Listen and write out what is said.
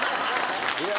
いや。